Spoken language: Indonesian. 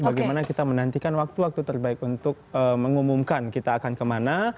bagaimana kita menantikan waktu waktu terbaik untuk mengumumkan kita akan kemana